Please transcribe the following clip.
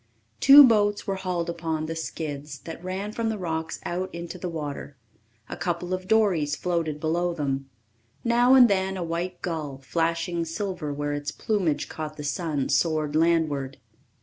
Two boats were hauled upon the "skids" that ran from the rocks out into the water. A couple of dories floated below them. Now and then a white gull, flashing silver where its plumage caught the sun, soared landward.